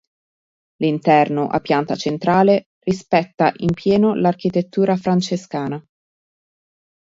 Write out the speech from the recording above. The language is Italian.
L'interno, a pianta centrale, rispetta in pieno l'architettura francescana.